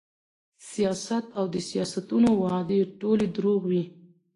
سیاست او د سیاسیونو وعدې ټولې دروغ وې